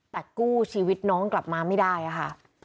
แต่กู้ชีวิตน้องกลับมาไม่ได้ค่ะ